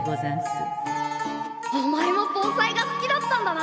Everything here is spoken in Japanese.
お前も盆栽が好きだったんだな！